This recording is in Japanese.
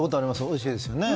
おいしいですよね。